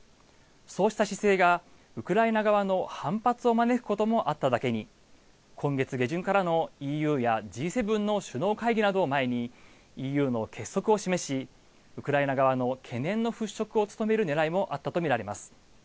そうした姿勢がウクライナ側の反発を招くこともあっただけに、今月下旬からのＥＵやＧ７の首脳会議などを前に、ＥＵの結束を示し、ウクライナ側の懸念の払拭を努めるねらいもあったと見られます。